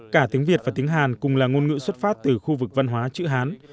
cả tiếng việt và tiếng hàn cùng là ngôn ngữ xuất phát từ khu vực văn hóa chữ hán